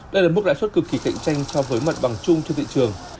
đây là mức lãi suất cực kỳ cạnh tranh so với mặt bằng chung trên thị trường